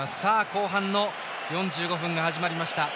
後半の４５分が始まりました。